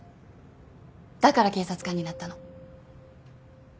だから警察官になったの。